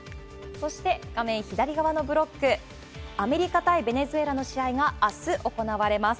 そして、画面左側のブロック、アメリカ対ベネズエラの試合があす行われます。